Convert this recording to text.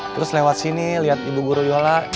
terus lewat sini lihat ibu guru yola